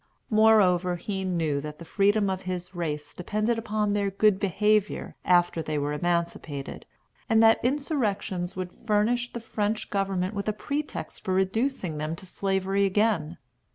Moreover, he knew that the freedom of his race depended upon their good behavior after they were emancipated, and that insurrections would furnish the French government with a pretext for reducing them to Slavery again.